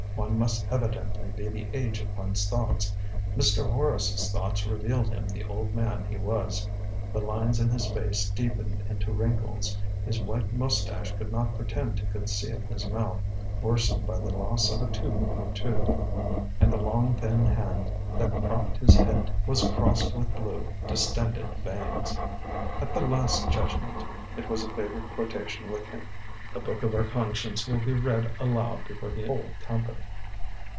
One must evidently be the age of one's thoughts. Mr. Horace's thoughts revealed him the old man he was. The lines in his face deepened into wrinkles; his white mustache could not pretend to conceal his mouth, worsened by the loss of a tooth or two; and the long, thin hand that propped his head was crossed with blue, distended veins. "At the last judgment" it was a favorite quotation with him "the book of our conscience will be read aloud before the whole company."